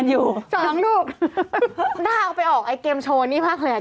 ๒มั้ยถ้าเราไปถ่ายละครบ่อยมากเลย